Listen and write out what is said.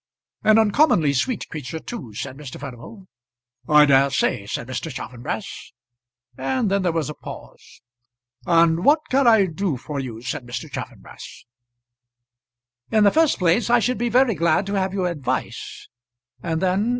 "An uncommonly sweet creature too," said Mr. Furnival. "I dare say," said Mr. Chaffanbrass; and then there was a pause. "And what can I do for you?" said Mr. Chaffanbrass. "In the first place I should be very glad to have your advice; and then